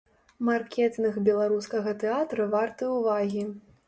Маркетынг беларускага тэатра варты ўвагі.